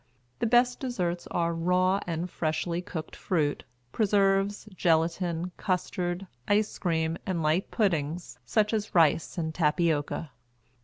The best desserts are raw and freshly cooked fruit, preserves, gelatin, custard, ice cream, and light puddings, such as rice and tapioca.